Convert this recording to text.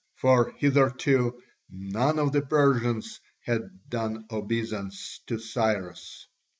For hitherto none of the Persians had done obeisance to Cyrus.